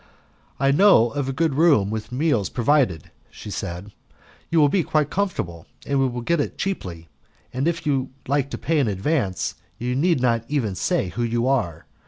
"I know of a good room, with meals provided," she said; "you will be quite comfortable and will get it cheaply, and if you like to pay in advance, you need not even say who you are.